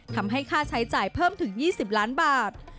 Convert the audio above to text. ค่าใช้จ่ายเพิ่มถึง๒๐ล้านบาท